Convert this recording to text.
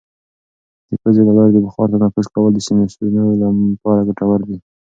د پوزې له لارې د بخار تنفس کول د سینوسونو لپاره ګټور دي.